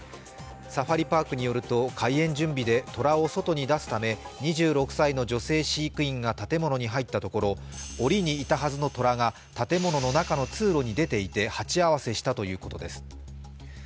サファリパークによると開園準備で虎を外に出すため２６歳の女性飼育員が建物に入ったところおりにいたはずの虎が建物の中の通路に出ていて鉢合わせしたということです。